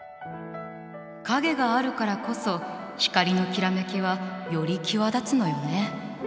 影があるからこそ光のきらめきはより際立つのよね。